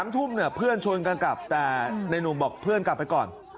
๓ทุ่มเพื่อนชวนกันกลับแต่ในหนุ่มบอกเพื่อนกลับไปก่อน